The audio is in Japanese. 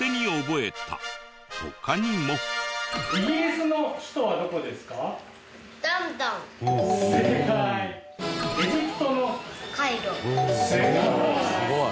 えすごい！